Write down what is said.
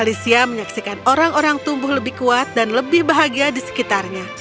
alicia menyaksikan orang orang tumbuh lebih kuat dan lebih bahagia di sekitarnya